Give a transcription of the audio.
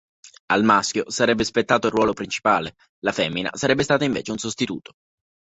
Al maschio sarebbe spettato il ruolo principale, la femmina sarebbe stata invece un sostituto.